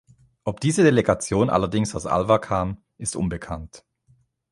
Ob diese Delegation allerdings aus Alwa kam, ist unbekannt.